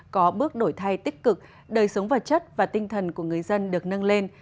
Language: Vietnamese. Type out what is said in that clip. có bước đổi thay tích cực đời sống vật chất và tinh thần của người dân được nâng lên